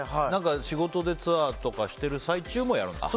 仕事でツアーとかしてる最中もやるんですか？